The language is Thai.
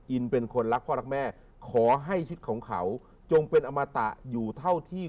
อินเป็นคนรักพ่อรักแม่ขอให้ชีวิตของเขาจงเป็นอมตะอยู่เท่าที่